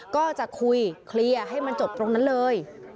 ก็จะคุยเคลียร์ให้มันจบตรงนั้นเลย